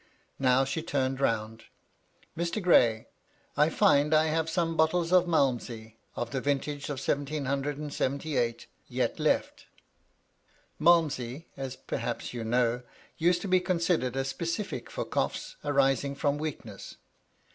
Now she turned round. "Mr.. Gray, I find I have some bottles of Malmsey, of the vintage of seventeen hundred and seventy eight, yet left Malmsey, as perhaps you know, used to be considered a specific for coughs arising from weakness.